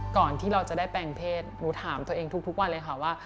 ก่อนที่เราจะได้แปลงเพศหนูถามตัวเองทุกวันเลยค่ะว่า